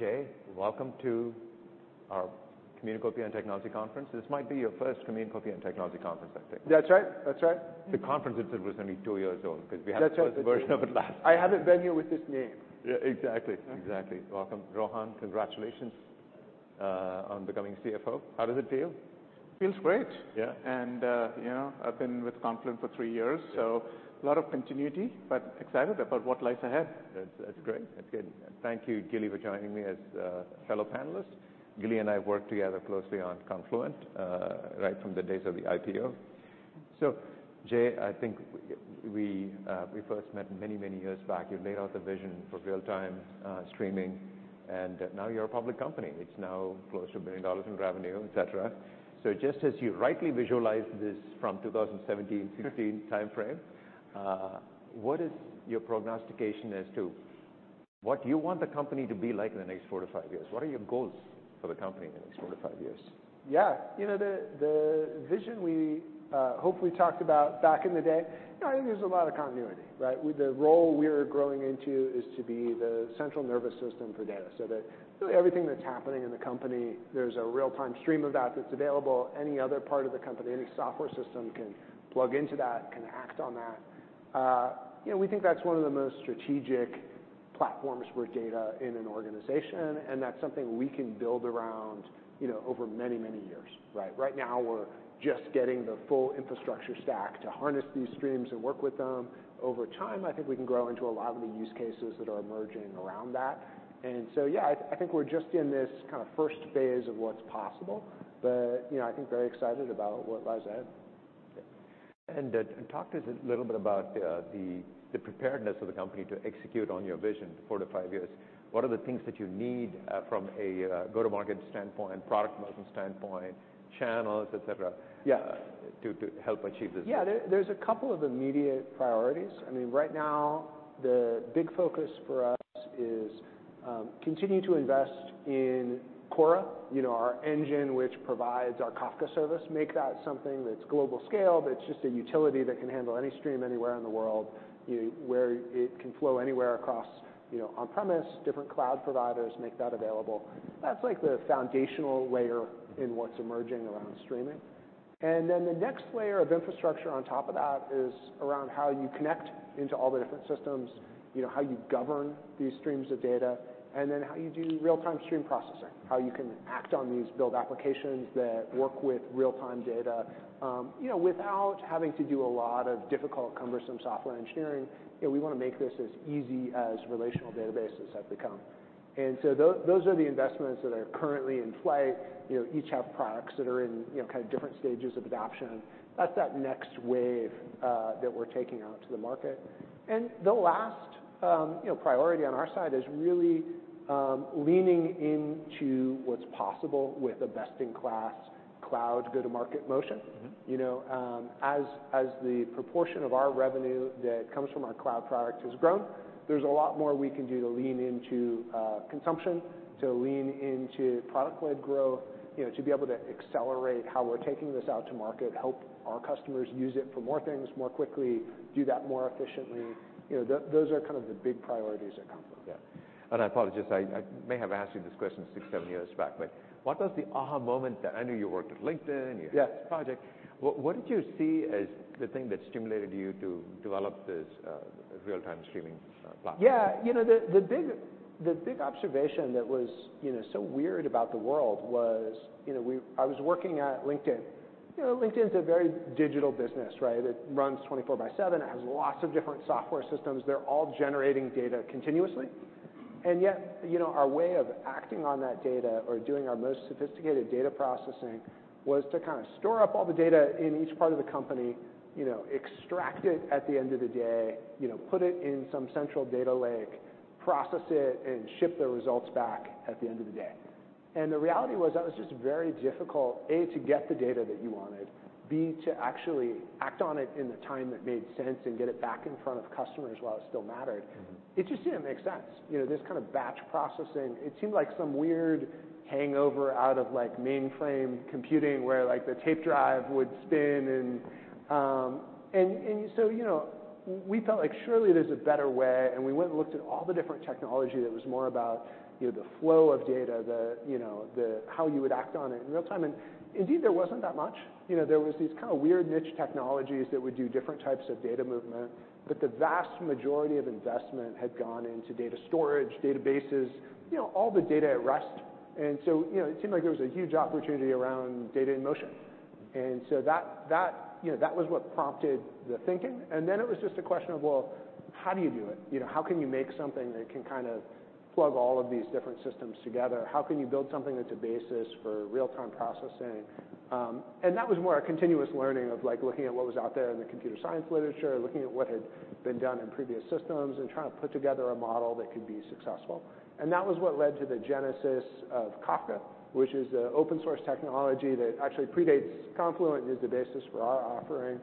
Jay, welcome to our Communicopeia and Technology Conference. This might be your first Communicopeia and Technology Conference, I think. That's right. That's right. The conference itself is only two years old- That's right 'Cause we had the first version of it last. I haven't been here with this name. Yeah, exactly. Exactly. Welcome. Rohan, congratulations, on becoming CFO. How does it feel? Feels great. Yeah. You know, I've been with Confluent for three years. Yeah So a lot of continuity, but excited about what lies ahead. That's, that's great. That's good. Thank you, Gilly, for joining me as a fellow panelist. Gilly and I have worked together closely on Confluent, right from the days of the IPO. So, Jay, I think we, we first met many, many years back. You laid out the vision for real-time streaming, and now you're a public company. It's now close to $1 billion in revenue, et cetera. So just as you rightly visualized this from 2016-2017 timeframe, what is your prognostication as to what you want the company to be like in the next four to five years? What are your goals for the company in the next four to five years? Yeah, you know, the vision we hopefully talked about back in the day, you know, I think there's a lot of continuity, right? With the role we're growing into is to be the central nervous system for data. So that really everything that's happening in the company, there's a real-time stream of that that's available. Any other part of the company, any software system can plug into that, can act on that. You know, we think that's one of the most strategic platforms for data in an organization, and that's something we can build around, you know, over many, many years, right? Right now, we're just getting the full infrastructure stack to harness these streams and work with them. Over time, I think we can grow into a lot of the use cases that are emerging around that. Yeah, I think we're just in this kind of first phase of what's possible, but, you know, I think very excited about what lies ahead. Yeah. And, talk to us a little bit about the preparedness of the company to execute on your vision four to five years. What are the things that you need from a go-to-market standpoint, product motion standpoint, channels, et cetera? Yeah - to help achieve this? Yeah, there's a couple of immediate priorities. I mean, right now, the big focus for us is continue to invest in Kora, you know, our engine, which provides our Kafka service, make that something that's global scale, that's just a utility that can handle any stream anywhere in the world, you know, where it can flow anywhere across, you know, on-premises, different cloud providers, make that available. That's like the foundational layer in what's emerging around streaming. And then the next layer of infrastructure on top of that is around how you connect into all the different systems, you know, how you govern these streams of data, and then how you do real-time stream processing, how you can act on these, build applications that work with real-time data, you know, without having to do a lot of difficult, cumbersome software engineering. You know, we want to make this as easy as relational databases have become. And so those are the investments that are currently in flight. You know, each have products that are in, you know, kind of different stages of adoption. That's that next wave that we're taking out to the market. And the last, you know, priority on our side is really leaning into what's possible with a best-in-class cloud go-to-market motion. Mm-hmm. You know, as the proportion of our revenue that comes from our cloud product has grown, there's a lot more we can do to lean into consumption, to lean into product-led growth, you know, to be able to accelerate how we're taking this out to market, help our customers use it for more things more quickly, do that more efficiently. You know, those are kind of the big priorities at Confluent. Yeah. I apologize, I may have asked you this question six, seven years back, but what was the aha moment that... I know you worked at LinkedIn, you- Yeah... had this project. What, what did you see as the thing that stimulated you to develop this real-time streaming platform? Yeah, you know, the big observation that was, you know, so weird about the world was, you know, I was working at LinkedIn. You know, LinkedIn is a very digital business, right? It runs 24/7. It has lots of different software systems. They're all generating data continuously. And yet, you know, our way of acting on that data or doing our most sophisticated data processing was to kind of store up all the data in each part of the company, you know, extract it at the end of the day, you know, put it in some central data lake, process it, and ship the results back at the end of the day. The reality was, that was just very difficult, A, to get the data that you wanted, B, to actually act on it in the time that made sense and get it back in front of customers while it still mattered. Mm-hmm. It just didn't make sense. You know, this kind of batch processing, it seemed like some weird hangover out of, like, mainframe computing, where, like, the tape drive would spin and, and so, you know, we felt like surely there's a better way, and we went and looked at all the different technology that was more about, you know, the flow of data, the, you know, the, how you would act on it in real time. And indeed, there wasn't that much. You know, there was these kind of weird niche technologies that would do different types of data movement, but the vast majority of investment had gone into data storage, databases, you know, all the data at rest. And so, you know, it seemed like there was a huge opportunity around data in motion. And so that, that, you know, that was what prompted the thinking. Then it was just a question of, well, how do you do it? You know, how can you make something that can kind of plug all of these different systems together? How can you build something that's a basis for real-time processing? And that was more a continuous learning of, like, looking at what was out there in the computer science literature, looking at what had been done in previous systems, and trying to put together a model that could be successful. And that was what led to the genesis of Kafka, which is an open-source technology that actually predates Confluent and is the basis for our offering.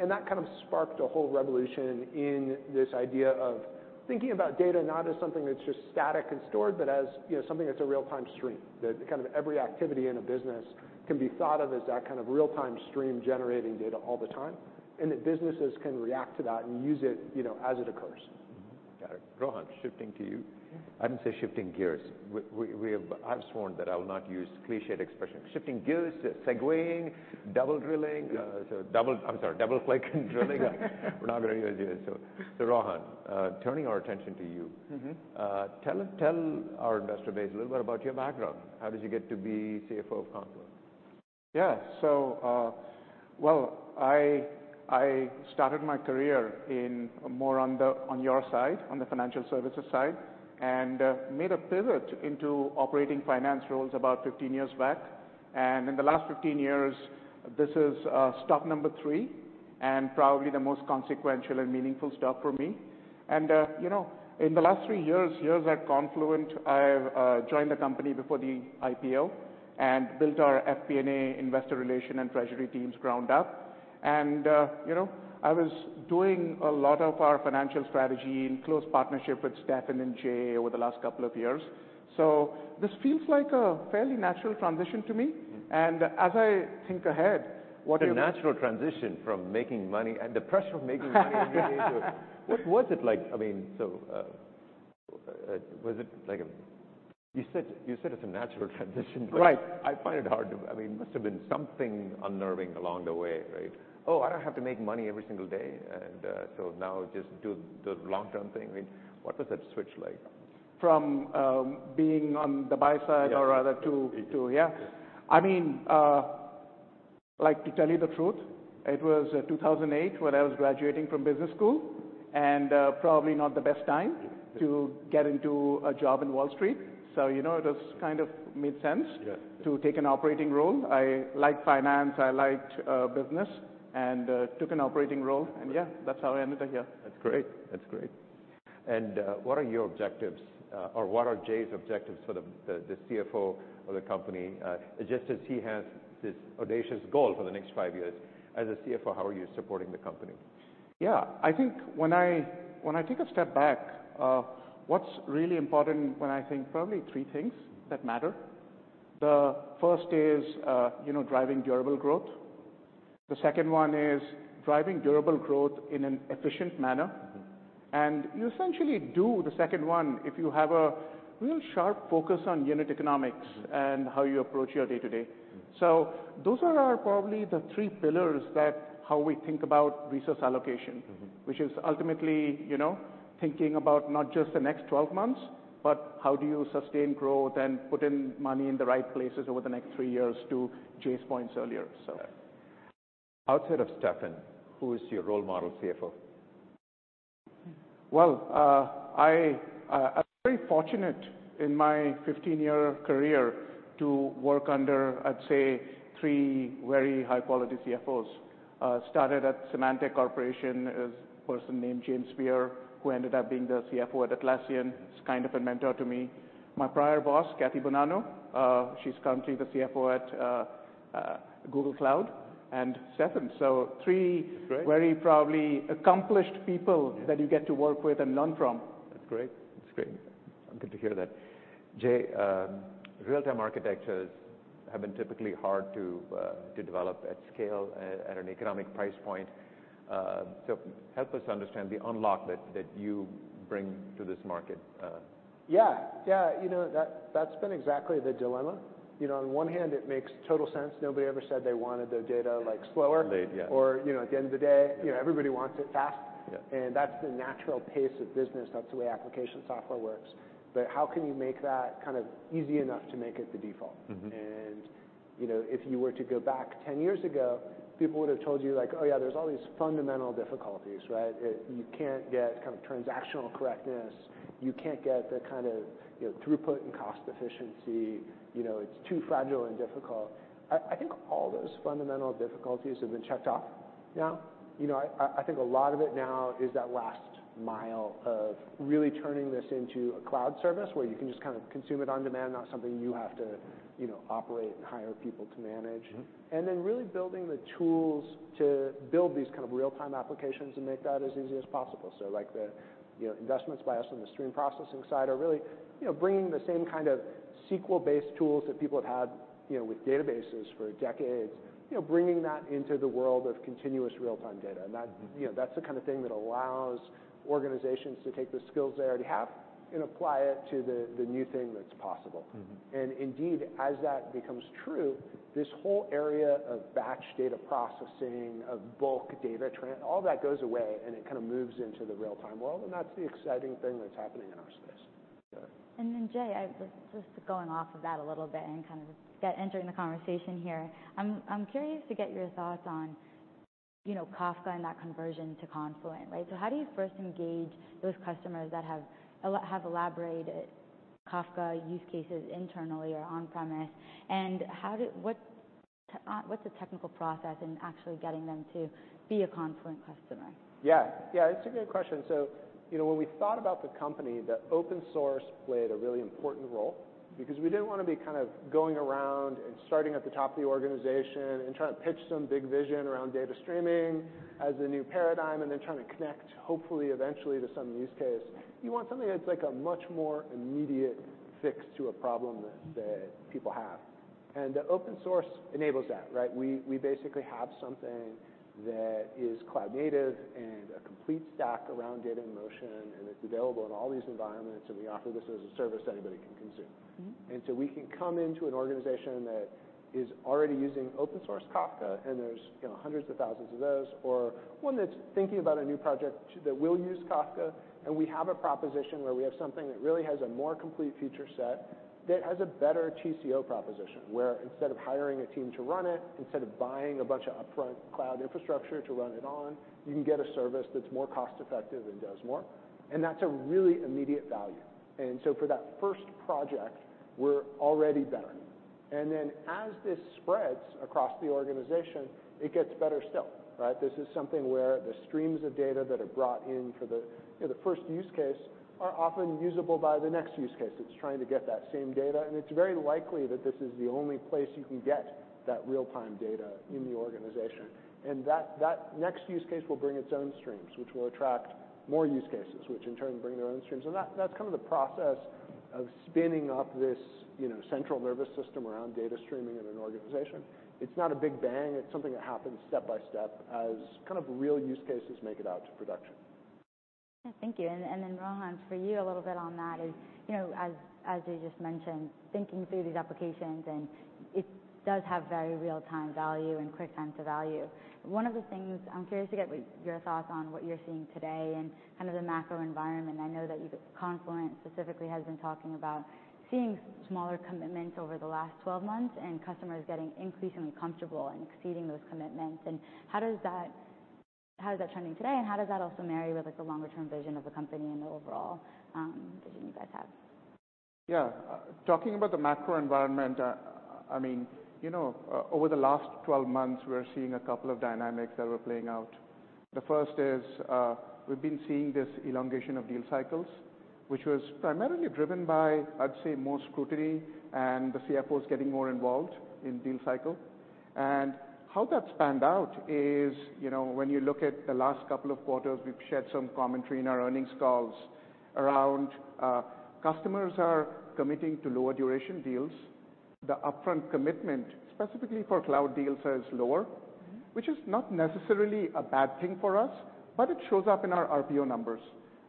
And that kind of sparked a whole revolution in this idea of thinking about data not as something that's just static and stored, but as, you know, something that's a real-time stream. That kind of every activity in a business can be thought of as that kind of real-time stream, generating data all the time, and that businesses can react to that and use it, you know, as it occurs.... Rohan, shifting to you. I didn't say shifting gears. We have—I've sworn that I will not use clichéd expression, shifting gears, segueing, double drilling, so double—I'm sorry, double click and drilling. We're not going to use these. So, Rohan, turning our attention to you- Mm-hmm. Tell our investor base a little bit about your background. How did you get to be CFO of Confluent? Yeah. So, well, I started my career in more on the, on your side, on the financial services side, and made a pivot into operating finance roles about 15 years back. And in the last 15 years, this is stop number three, and probably the most consequential and meaningful stop for me. And, you know, in the last three years at Confluent, I've joined the company before the IPO and built our FP&A investor relation and treasury teams ground up. And, you know, I was doing a lot of our financial strategy in close partnership with Stefan and Jay over the last couple of years. So this feels like a fairly natural transition to me. Mm-hmm. And as I think ahead, what- It's a natural transition from making money and the pressure of making money every day. What was it like? I mean, so, was it like a... You said, you said it's a natural transition, but- Right. I find it hard to... I mean, it must have been something unnerving along the way, right? "Oh, I don't have to make money every single day, and, so now just do the long-term thing." I mean, what was that switch like? From being on the buy side- Yeah... or rather to, yeah. Yeah. I mean, like, to tell you the truth, it was 2008 when I was graduating from business school, and probably not the best time- Yeah to get into a job in Wall Street. So, you know, it just kind of made sense- Yeah -to take an operating role. I liked finance, I liked business, and took an operating role, and yeah, that's how I ended up here. That's great. That's great. What are your objectives, or what are Jay's objectives for the CFO of the company? Just as he has this audacious goal for the next five years, as the CFO, how are you supporting the company? Yeah, I think when I, when I take a step back, what's really important when I think probably three things that matter. The first is, you know, driving durable growth. The second one is driving durable growth in an efficient manner. Mm-hmm. You essentially do the second one if you have a real sharp focus on unit economics- Mm-hmm and how you approach your day-to-day. Mm. So, those are our probably the three pillars that how we think about resource allocation— Mm-hmm which is ultimately, you know, thinking about not just the next 12 months, but how do you sustain growth and put in money in the right places over the next three years, to Jay's points earlier, so. Outside of Steffan, who is your role model CFO? Well, I, I'm very fortunate in my 15-year career to work under, I'd say, three very high-quality CFOs. Started at Symantec Corporation, a person named James Beer, who ended up being the CFO at Atlassian. He's kind of a mentor to me. My prior boss, Kathy Bonanno, she's currently the CFO at, Google Cloud, and Steffan. So three- Great... very probably accomplished people- Yeah that you get to work with and learn from. That's great. That's great. I'm good to hear that. Jay, real-time architectures have been typically hard to develop at scale at an economic price point. So help us understand the unlock that you bring to this market. Yeah. Yeah, you know, that, that's been exactly the dilemma. You know, on one hand, it makes total sense. Nobody ever said they wanted their data, like, slower- Late, yeah... or, you know, at the end of the day, you know, everybody wants it fast. Yeah. That's the natural pace of business. That's the way application software works. How can you make that kind of easy enough to make it the default? Mm-hmm. And, you know, if you were to go back 10 years ago, people would have told you, like, "Oh, yeah, there's all these fundamental difficulties," right? "You can't get kind of transactional correctness. You can't get the kind of, you know, throughput and cost efficiency. You know, it's too fragile and difficult." I think all those fundamental difficulties have been checked off now. You know, I think a lot of it now is that last mile of really turning this into a cloud service, where you can just kind of consume it on demand, not something you have to, you know, operate and hire people to manage. Mm-hmm. And then really building the tools to build these kind of real-time applications and make that as easy as possible. So like the, you know, investments by us on the stream processing side are really, you know, bringing the same kind of SQL-based tools that people have had, you know, with databases for decades. You know, bringing that into the world of continuous real-time data. Mm-hmm. That, you know, that's the kind of thing that allows organizations to take the skills they already have and apply it to the new thing that's possible. Mm-hmm. And indeed, as that becomes true, this whole area of batch data processing, of bulk data, all that goes away, and it kind of moves into the real-time world, and that's the exciting thing that's happening in our space. Yeah. And then, Jay, I just going off of that a little bit and kind of get entering the conversation here. I'm curious to get your thoughts on, you know, Kafka and that conversion to Confluent, right? So how do you first engage those customers that have elaborated Kafka use cases internally or on premise? And how do... What, what's the technical process in actually getting them to be a Confluent customer? Yeah, yeah, it's a good question. So, you know, when we thought about the company, the open source played a really important role because we didn't want to be kind of going around and starting at the top of the organization and trying to pitch some big vision around data streaming as the new paradigm, and then trying to connect, hopefully, eventually to some use case. You want something that's like a much more immediate fix to a problem that people have. And open source enables that, right? We basically have something that is cloud-native and a complete stack around data in motion, and it's available in all these environments, and we offer this as a service anybody can consume. Mm-hmm. So we can come into an organization that is already using open source Kafka, and there's, you know, hundreds of thousands of those, or one that's thinking about a new project that will use Kafka. And we have a proposition where we have something that really has a more complete feature set, that has a better TCO proposition, where instead of hiring a team to run it, instead of buying a bunch of upfront cloud infrastructure to run it on, you can get a service that's more cost-effective and does more. And that's a really immediate value. And so for that first project, we're already better. And then as this spreads across the organization, it gets better still, right? This is something where the streams of data that are brought in for the, you know, the first use case are often usable by the next use case that's trying to get that same data, and it's very likely that this is the only place you can get that real-time data in the organization. And that, that next use case will bring its own streams, which will attract more use cases, which in turn bring their own streams. So that, that's kind of the process of spinning up this, you know, central nervous system around data streaming in an organization. It's not a big bang, it's something that happens step by step as kind of real use cases make it out to production. Thank you. And then, Rohan, for you, a little bit on that is, you know, as you just mentioned, thinking through these applications, and it does have very real-time value and quick time to value. One of the things I'm curious to get with your thoughts on what you're seeing today in kind of the macro environment. I know that Confluent specifically has been talking about seeing smaller commitments over the last 12 months, and customers getting increasingly comfortable and exceeding those commitments. And how does that, how is that trending today, and how does that also marry with, like, the longer-term vision of the company and the overall vision you guys have? Yeah. Talking about the macro environment, I mean, you know, over the last 12 months, we're seeing a couple of dynamics that were playing out. The first is, we've been seeing this elongation of deal cycles, which was primarily driven by, I'd say, more scrutiny and the CFOs getting more involved in deal cycle. And how that's panned out is, you know, when you look at the last couple of quarters, we've shared some commentary in our earnings calls around, customers are committing to lower duration deals. The upfront commitment, specifically for cloud deals, is lower. Mm-hmm. Which is not necessarily a bad thing for us, but it shows up in our RPO numbers.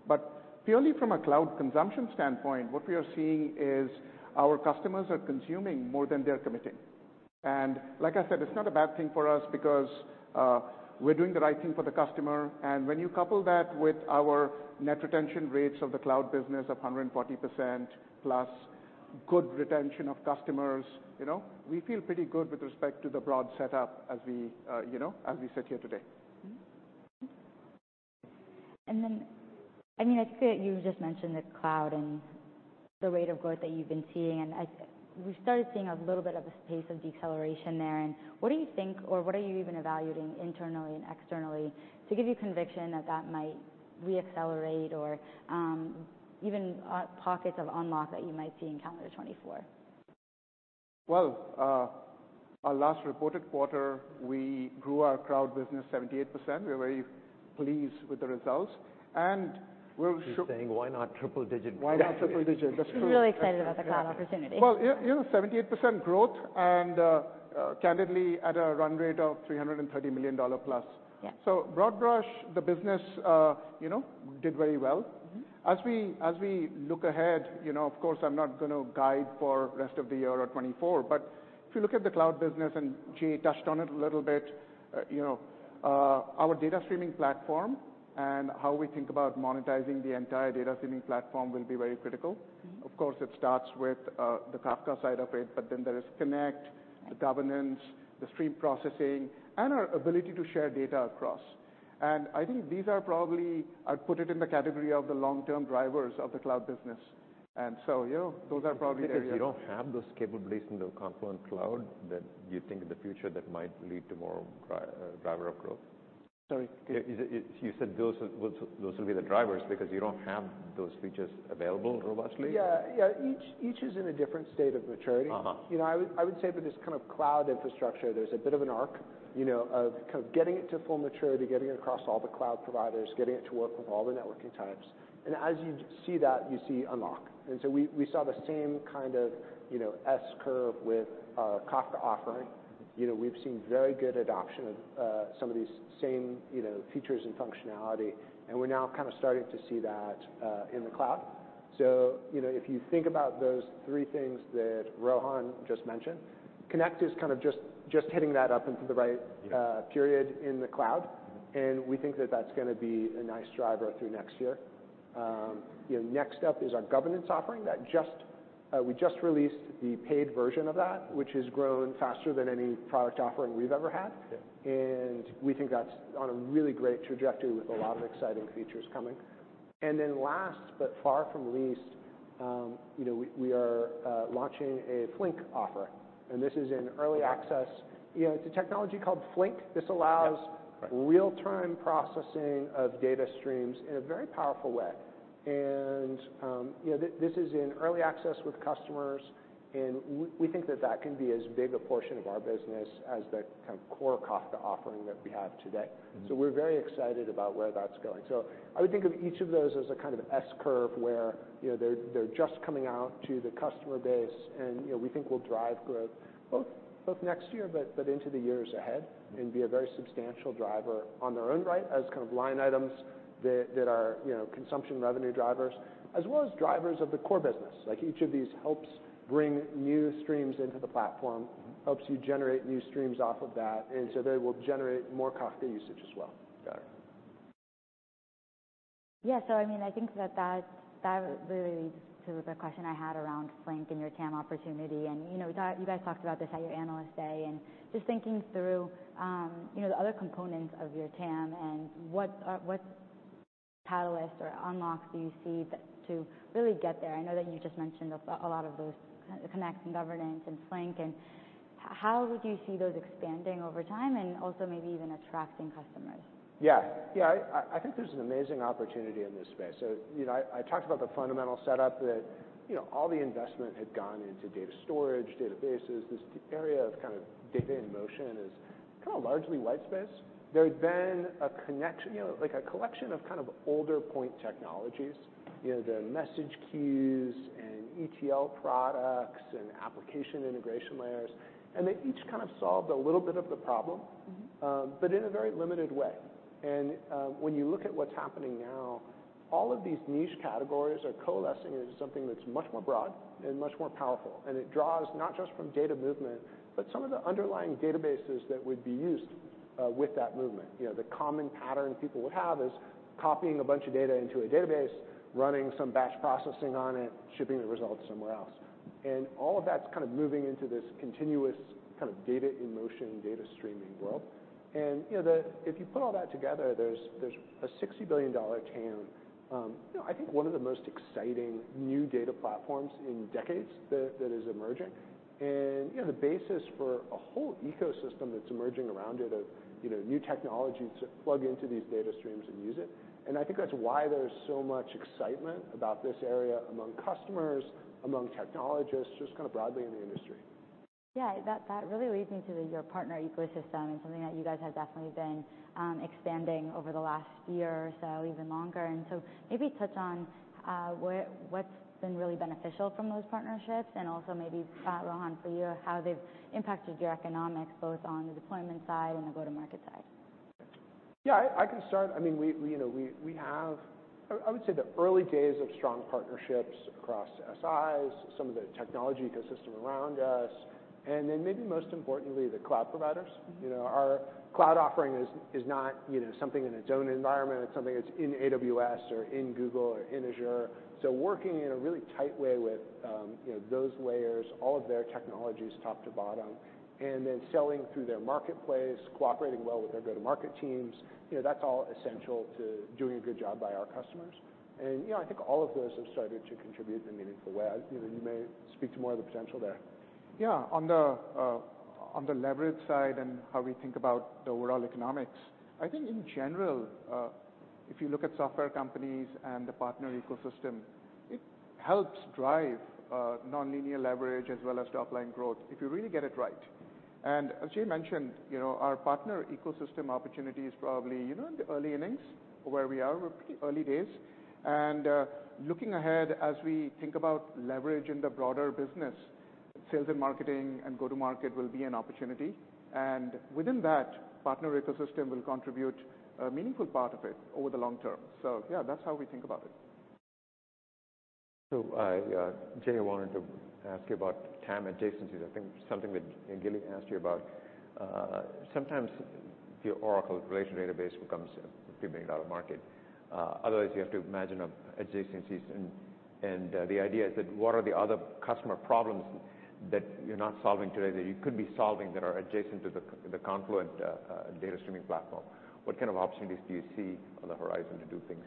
But purely from a cloud consumption standpoint, what we are seeing is our customers are consuming more than they are committing. And like I said, it's not a bad thing for us because, we're doing the right thing for the customer, and when you couple that with our net retention rates of the cloud business of 140%, plus good retention of customers, you know, we feel pretty good with respect to the broad setup as we, you know, as we sit here today. Mm-hmm. And then, I mean, I see that you just mentioned the cloud and the rate of growth that you've been seeing, and we started seeing a little bit of a pace of deceleration there. And what do you think, or what are you even evaluating internally and externally to give you conviction that that might re-accelerate or, even, pockets of unlock that you might see in calendar 2024? Well, our last reported quarter, we grew our cloud business 78%. We're very pleased with the results, and we're- He's saying, why not triple digit? Why not triple digit? That's true. He's really excited about the cloud opportunity. Well, yeah, you know, 78% growth and, candidly, at a run rate of $330 million plus. Yeah. So broad brush, the business, you know, did very well. Mm-hmm. As we look ahead, you know, of course, I'm not gonna guide for rest of the year or 2024, but if you look at the cloud business, and Jay touched on it a little bit, our data streaming platform and how we think about monetizing the entire data streaming platform will be very critical. Mm-hmm. Of course, it starts with the Kafka side of it, but then there is connect- Right... the governance, the stream processing, and our ability to share data across. And I think these are probably, I'd put it in the category of the long-term drivers of the cloud business. And so, you know, those are probably the areas- You don't have those capabilities in the Confluent Cloud that you think in the future that might lead to more primary driver of growth? Sorry? You said those will be the drivers because you don't have those features available robustly. Yeah. Yeah. Each is in a different state of maturity. Uh-huh. You know, I would say with this kind of cloud infrastructure, there's a bit of an arc, you know, of kind of getting it to full maturity, getting it across all the cloud providers, getting it to work with all the networking types. And as you see that, you see unlock. And so we saw the same kind of, you know, S-curve with Kafka offering. You know, we've seen very good adoption of some of these same, you know, features and functionality, and we're now kind of starting to see that in the cloud. So you know, if you think about those three things that Rohan just mentioned, Connect is kind of just hitting that up into the right... Yeah, period in the cloud, and we think that that's gonna be a nice driver through next year. You know, next up is our governance offering that we just released the paid version of that, which has grown faster than any product offering we've ever had. Yeah. And we think that's on a really great trajectory with a lot of exciting features coming. And then last, but far from least... you know, we are launching a Flink offer, and this is in early access. You know, it's a technology called Flink. Yeah. This allows- Right real-time processing of data streams in a very powerful way. And, you know, this is in early access with customers, and we think that that can be as big a portion of our business as the kind of core Kafka offering that we have today. Mm-hmm. We're very excited about where that's going. I would think of each of those as a kind of S-curve where, you know, they're, they're just coming out to the customer base, and, you know, we think will drive growth both, both next year, but, but into the years ahead- Mm-hmm - and be a very substantial driver on their own right, as kind of line items that are, you know, consumption revenue drivers, as well as drivers of the core business. Like, each of these helps bring new streams into the platform- Mm-hmm helps you generate new streams off of that, and so they will generate more Kafka usage as well. Got it. Yeah. So I mean, I think that that really leads to the question I had around Flink and your TAM opportunity. And, you know, we talked, you guys talked about this at your Analyst Day, and just thinking through, you know, the other components of your TAM and what catalyst or unlocks do you see that, to really get there? I know that you just mentioned a lot of those, Connect and Governance and Flink, and how would you see those expanding over time and also maybe even attracting customers? Yeah. Yeah, I, I think there's an amazing opportunity in this space. So, you know, I, I talked about the fundamental setup that, you know, all the investment had gone into data storage, databases. This area of kind of data in motion is kind of largely white space. There had been a connection, you know, like a collection of kind of older point technologies, you know, the message queues and ETL products and application integration layers, and they each kind of solved a little bit of the problem- Mm-hmm... but in a very limited way. And, when you look at what's happening now, all of these niche categories are coalescing into something that's much more broad and much more powerful, and it draws not just from data movement, but some of the underlying databases that would be used, with that movement. You know, the common pattern people would have is copying a bunch of data into a database, running some batch processing on it, shipping the results somewhere else. And all of that's kind of moving into this continuous kind of data in motion, data streaming world. And, you know, if you put all that together, there's a $60 billion TAM. You know, I think one of the most exciting new data platforms in decades that is emerging. You know, the basis for a whole ecosystem that's emerging around it, of, you know, new technologies to plug into these data streams and use it. I think that's why there's so much excitement about this area among customers, among technologists, just kind of broadly in the industry. Yeah, that, that really leads me to your partner ecosystem and something that you guys have definitely been expanding over the last year or so, even longer. So maybe touch on what's been really beneficial from those partnerships, and also maybe, Rohan, for you, how they've impacted your economics, both on the deployment side and the go-to-market side. Yeah, I can start. I mean, we, you know, have... I would say the early days of strong partnerships across SIs, some of the technology ecosystem around us, and then maybe most importantly, the cloud providers. Mm-hmm. You know, our cloud offering is not, you know, something in its own environment. It's something that's in AWS or in Google or in Azure. So working in a really tight way with, you know, those layers, all of their technologies, top to bottom, and then selling through their marketplace, cooperating well with their go-to-market teams, you know, that's all essential to doing a good job by our customers. And, you know, I think all of those have started to contribute in a meaningful way. You know, you may speak to more of the potential there. Yeah. On the leverage side and how we think about the overall economics, I think in general, if you look at software companies and the partner ecosystem, it helps drive nonlinear leverage as well as top-line growth, if you really get it right. And as Jay mentioned, you know, our partner ecosystem opportunity is probably, you know, in the early innings where we are, pretty early days. And looking ahead, as we think about leverage in the broader business, sales and marketing and go-to-market will be an opportunity, and within that, partner ecosystem will contribute a meaningful part of it over the long term. So yeah, that's how we think about it. So, Jay, I wanted to ask you about TAM adjacencies. I think something that Gilly asked you about, sometimes the Oracle relational database becomes a $50 billion market, otherwise, you have to imagine adjacencies. And the idea is that, what are the other customer problems that you're not solving today, that you could be solving, that are adjacent to the Confluent data streaming platform? What kind of opportunities do you see on the horizon to do things?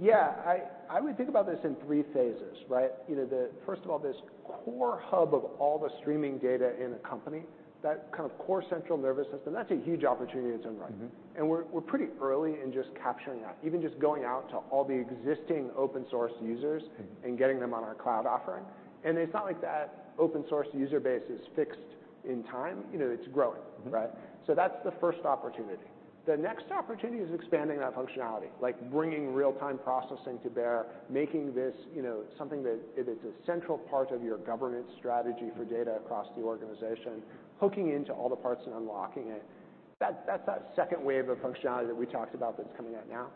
Yeah, I, I would think about this in three phases, right? You know, the... First of all, this core hub of all the streaming data in a company, that kind of core central nervous system, that's a huge opportunity in its own right. Mm-hmm. And we're pretty early in just capturing that, even just going out to all the existing open source users- Mm-hmm Getting them on our cloud offering. It's not like that open source user base is fixed in time. You know, it's growing, right? Mm-hmm. So that's the first opportunity. The next opportunity is expanding that functionality, like bringing real-time processing to bear, making this, you know, something that it is a central part of your governance strategy for data across the organization, hooking into all the parts and unlocking it.... That's, that's that second wave of functionality that we talked about that's coming out now.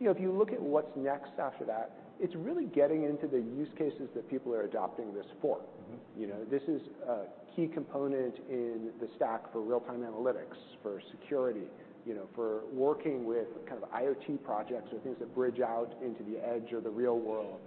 You know, if you look at what's next after that, it's really getting into the use cases that people are adopting this for. Mm-hmm. You know, this is a key component in the stack for real-time analytics, for security, you know, for working with kind of IoT projects or things that bridge out into the edge or the real world,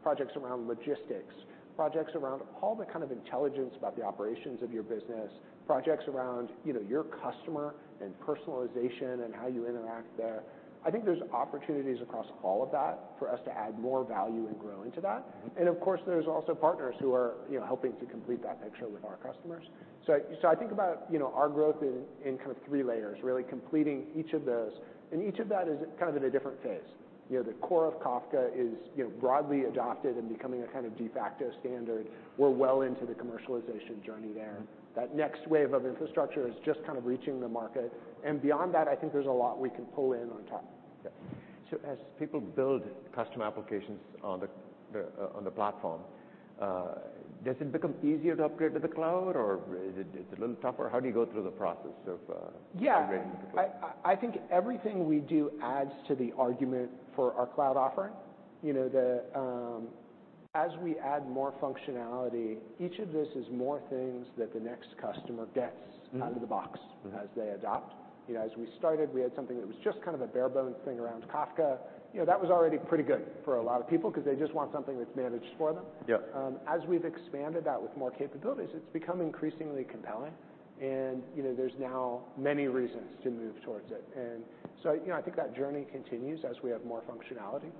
projects around logistics, projects around all the kind of intelligence about the operations of your business, projects around, you know, your customer and personalization and how you interact there. I think there's opportunities across all of that for us to add more value and grow into that. Mm-hmm. And of course, there's also partners who are, you know, helping to complete that picture with our customers. So I think about, you know, our growth in kind of three layers, really completing each of those, and each of that is kind of in a different phase. You know, the core of Kafka is, you know, broadly adopted and becoming a kind of de facto standard. We're well into the commercialization journey there. Mm-hmm. That next wave of infrastructure is just kind of reaching the market, and beyond that, I think there's a lot we can pull in on top. Yeah. So as people build custom applications on the platform, does it become easier to upgrade to the cloud, or is it a little tougher? How do you go through the process of, Yeah. Upgrading to the cloud? I think everything we do adds to the argument for our cloud offering. You know, the... As we add more functionality, each of this is more things that the next customer gets- Mm-hmm. out of the box Mm-hmm As they adopt. You know, as we started, we had something that was just kind of a bare bones thing around Kafka. You know, that was already pretty good for a lot of people because they just want something that's managed for them. Yeah. As we've expanded that with more capabilities, it's become increasingly compelling and, you know, there's now many reasons to move towards it. And so, you know, I think that journey continues as we have more functionality.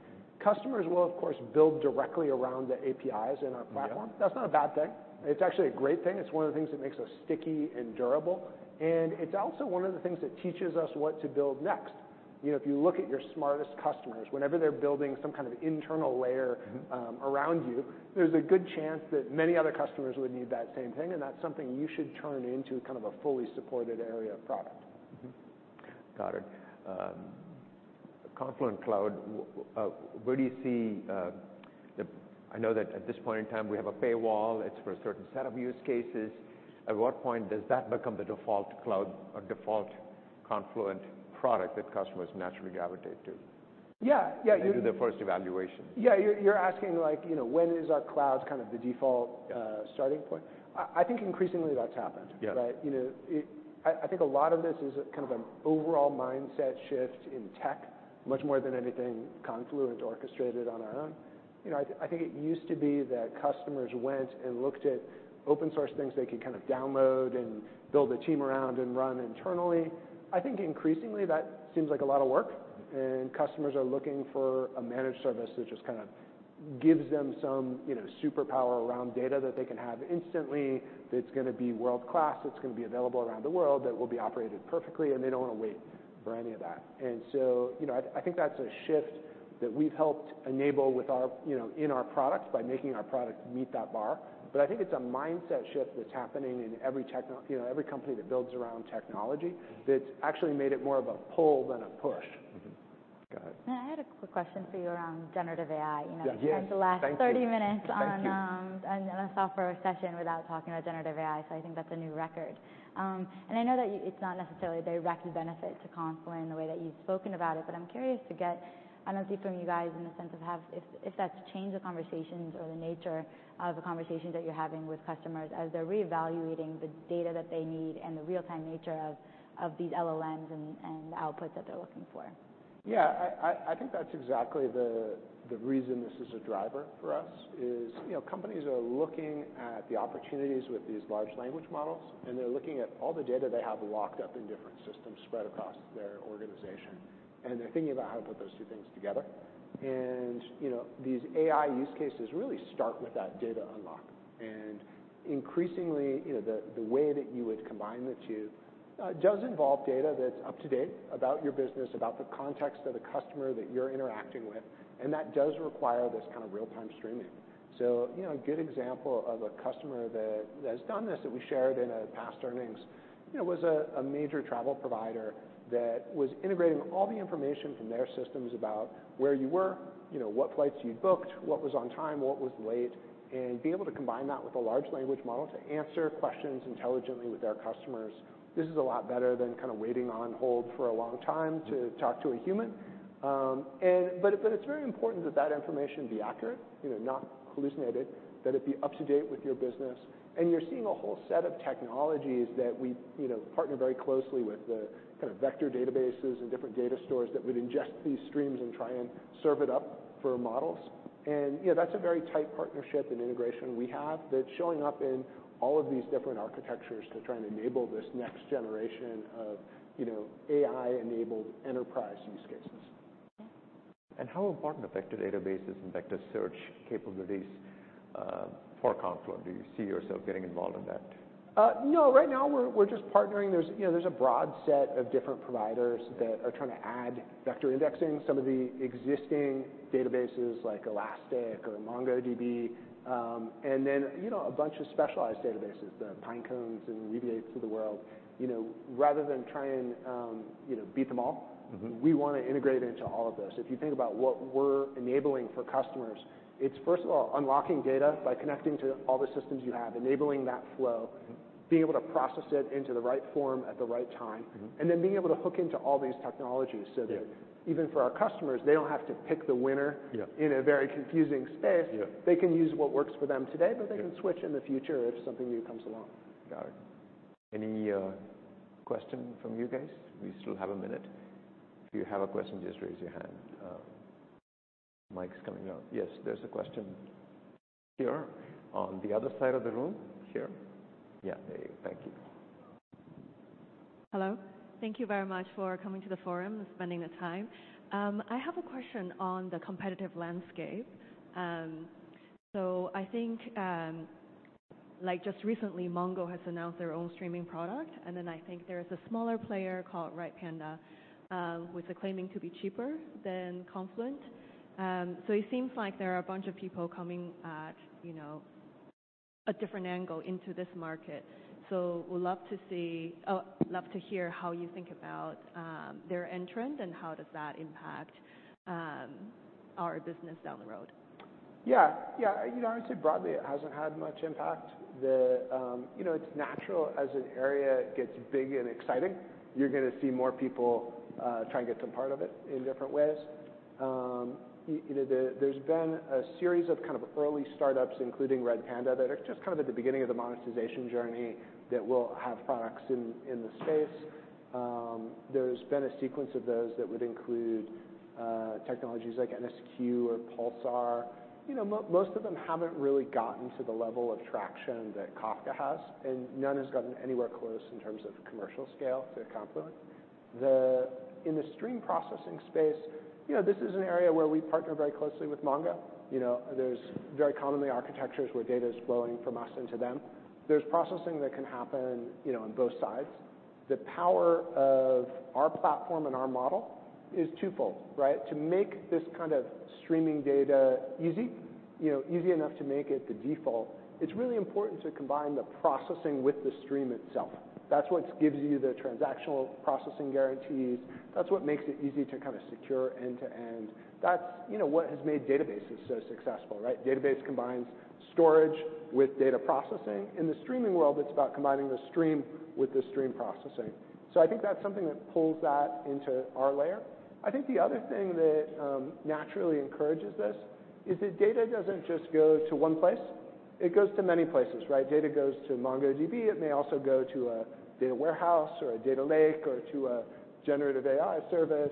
Mm-hmm. Customers will, of course, build directly around the APIs in our platform. Yeah. That's not a bad thing. It's actually a great thing. It's one of the things that makes us sticky and durable, and it's also one of the things that teaches us what to build next. You know, if you look at your smartest customers, whenever they're building some kind of internal layer- Mm-hmm... around you, there's a good chance that many other customers would need that same thing, and that's something you should turn into kind of a fully supported area of product. Mm-hmm. Got it. Confluent Cloud, where do you see the... I know that at this point in time, we have a paywall. It's for a certain set of use cases. At what point does that become the default cloud or default Confluent product that customers naturally gravitate to? Yeah, yeah- When they do their first evaluation. Yeah, you're asking like, you know, when is our cloud kind of the default starting point? I think increasingly that's happened. Yeah. But you know, I think a lot of this is kind of an overall mindset shift in tech, much more than anything Confluent orchestrated on our own. You know, I think it used to be that customers went and looked at open source things they could kind of download and build a team around and run internally. I think increasingly, that seems like a lot of work, and customers are looking for a managed service that just kind of gives them some, you know, superpower around data that they can have instantly, that's going to be world-class, that's going to be available around the world, that will be operated perfectly, and they don't want to wait for any of that. And so, you know, I, I think that's a shift that we've helped enable with our, you know, in our products by making our product meet that bar. But I think it's a mindset shift that's happening in every techno... you know, every company that builds around technology- Mm-hmm... that's actually made it more of a pull than a push. Mm-hmm. Go ahead. I had a quick question for you around generative AI. Yeah. Yes. You know- Thank you... we had the last 30 minutes on, Thank you... on a software session without talking about generative AI, so I think that's a new record. And I know that it's not necessarily a direct benefit to Confluent in the way that you've spoken about it, but I'm curious to get an update from you guys in the sense of if that's changed the conversations or the nature of the conversations that you're having with customers as they're reevaluating the data that they need and the real-time nature of these LLMs and outputs that they're looking for. Yeah, I think that's exactly the reason this is a driver for us is, you know, companies are looking at the opportunities with these large language models, and they're looking at all the data they have locked up in different systems spread across their organization, and they're thinking about how to put those two things together. And, you know, these AI use cases really start with that data unlock. And increasingly, you know, the way that you would combine the two does involve data that's up to date about your business, about the context of the customer that you're interacting with, and that does require this kind of real-time streaming. So, you know, a good example of a customer that, that has done this, that we shared in a past earnings, you know, was a, a major travel provider that was integrating all the information from their systems about where you were, you know, what flights you'd booked, what was on time, what was late, and be able to combine that with a large language model to answer questions intelligently with their customers. This is a lot better than kind of waiting on hold for a long time to talk to a human. But it's very important that that information be accurate, you know, not hallucinated, that it be up to date with your business. You're seeing a whole set of technologies that we, you know, partner very closely with the kind of vector databases and different data stores that would ingest these streams and try and serve it up for models. You know, that's a very tight partnership and integration we have that's showing up in all of these different architectures to try and enable this next generation of, you know, AI-enabled enterprise use cases. Okay. How important are vector databases and vector search capabilities for Confluent? Do you see yourself getting involved in that? No, right now we're just partnering. You know, there's a broad set of different providers that are trying to add vector indexing, some of the existing databases like Elastic or MongoDB, and then, you know, a bunch of specialized databases, the Pinecone and Weaviate of the world. You know, rather than try and, you know, beat them all- Mm-hmm... we want to integrate into all of those. If you think about what we're enabling for customers, it's first of all, unlocking data by connecting to all the systems you have, enabling that flow. Mm-hmm.... being able to process it into the right form at the right time, and then being able to hook into all these technologies so that- Yeah. Even for our customers, they don't have to pick the winner. Yeah. in a very confusing space. Yeah. They can use what works for them today- Yeah. But they can switch in the future if something new comes along. Got it. Any question from you guys? We still have a minute. If you have a question, just raise your hand. Mic's coming up. Yes, there's a question here on the other side of the room. Here. Yeah, there you-- Thank you. Hello. Thank you very much for coming to the forum and spending the time. I have a question on the competitive landscape. So I think, like, just recently, MongoDB has announced their own streaming product, and then I think there is a smaller player called Redpanda, which are claiming to be cheaper than Confluent. So it seems like there are a bunch of people coming at, you know, a different angle into this market. So would love to see... love to hear how you think about their entrance and how does that impact our business down the road? Yeah, yeah. You know, honestly, broadly, it hasn't had much impact. The, you know, it's natural as an area gets big and exciting, you're gonna see more people try and get some part of it in different ways. You know, there, there's been a series of kind of early startups, including Redpanda, that are just kind of at the beginning of the monetization journey, that will have products in the space. There's been a sequence of those that would include technologies like NSQ or Pulsar. You know, most of them haven't really gotten to the level of traction that Kafka has, and none has gotten anywhere close in terms of commercial scale to Confluent. In the stream processing space, you know, this is an area where we partner very closely with MongoDB. You know, there's very commonly architectures where data is flowing from us into them. There's processing that can happen, you know, on both sides. The power of our platform and our model is twofold, right? To make this kind of streaming data easy, you know, easy enough to make it the default, it's really important to combine the processing with the stream itself. That's what gives you the transactional processing guarantees. That's what makes it easy to kind of secure end to end. That's, you know, what has made databases so successful, right? Database combines storage with data processing. In the streaming world, it's about combining the stream with the stream processing. So I think that's something that pulls that into our layer. I think the other thing that naturally encourages this is that data doesn't just go to one place, it goes to many places, right? Data goes to MongoDB. It may also go to a data warehouse or a data lake or to a generative AI service,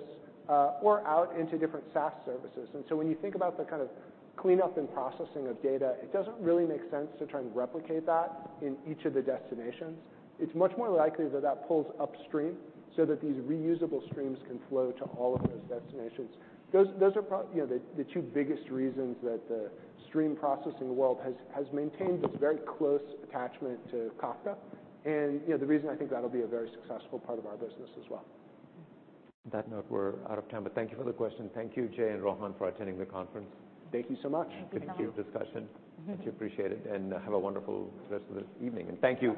or out into different SaaS services. And so when you think about the kind of cleanup and processing of data, it doesn't really make sense to try and replicate that in each of the destinations. It's much more likely that that pulls upstream so that these reusable streams can flow to all of those destinations. Those are you know, the two biggest reasons that the stream processing world has maintained its very close attachment to Kafka, and, you know, the reason I think that'll be a very successful part of our business as well. On that note, we're out of time, but thank you for the question. Thank you, Jay and Rohan, for attending the conference. Thank you so much. Thank you. Good to keep the discussion. Mm-hmm. Much appreciated, and have a wonderful rest of this evening, and thank you.